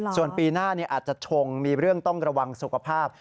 ส่วนปีหน้าอาจจะชงมีเรื่องต้องระวังสุขภาพ